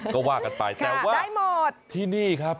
ก็ว่ากันไปแสดงว่าที่นี่ครับ